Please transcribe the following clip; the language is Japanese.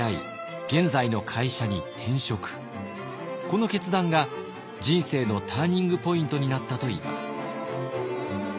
この決断が人生のターニングポイントになったといいます。